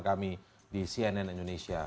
kami di cnn indonesia